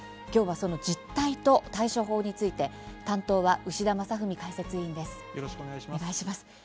きょうはその実態と対処法について担当は、牛田正史解説委員です。